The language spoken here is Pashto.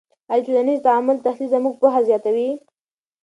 آیا د ټولنیز تعامل تحلیل زموږ پوهه زیاتوي؟